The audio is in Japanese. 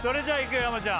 山ちゃん